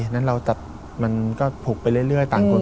นั้นเราตัดมันก็ผูกไปเรื่อยต่างคน